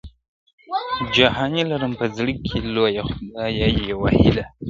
جهاني لرم په زړه کي لویه خدایه یوه هیله ,